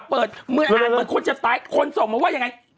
เบื้ออ่านคนชัดตายคนส่งบอกว่าอย่างไร